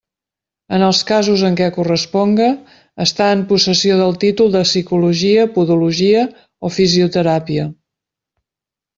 En els casos en què corresponga, estar en possessió del títol de Psicologia, Podologia o Fisioteràpia.